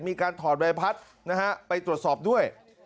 มีการถอดไว้พัดนะฮะไปตรวจสอบด้วย